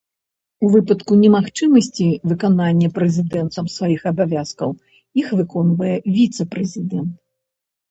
У выпадку немагчымасці выканання прэзідэнтам сваіх абавязкаў іх выконвае віцэ-прэзідэнт.